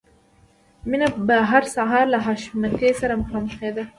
مینه به هر سهار له حشمتي سره مخامخېده